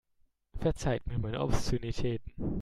Verzeiht mir meine Obszönitäten.